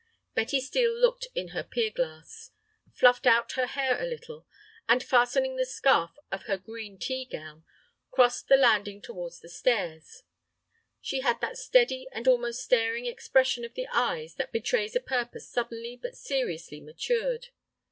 Betty Steel looked in her pier glass, fluffed out her hair a little, and fastening the scarf of her green tea gown, crossed the landing towards the stairs. She had that steady and almost staring expression of the eyes that betrays a purpose suddenly but seriously matured.